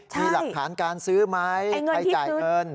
มีหลักฐานการซื้อไหมใครจ่ายเงิน